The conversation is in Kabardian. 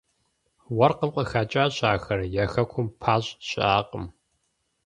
Уэркъым къыхэкӀащ ахэр, я хэкум пащӀ щыӀакъым.